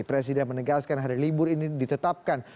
presiden menegaskan hari libur ini ditetapkan